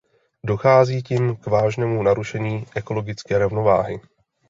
Dochází tím k vážnému narušení ekologické rovnováhy.